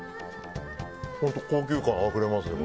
本当、高級感あふれますね。